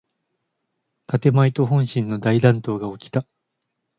建前と本心の大乱闘がおきた。